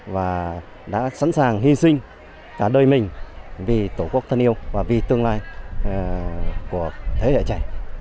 và đã sẵn sàng hy sinh cả đời mình vì tổ quốc thân yêu và vì tương lai của thế hệ trẻ